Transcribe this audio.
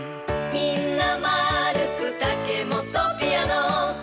みんなまぁるくタケモトピアノ。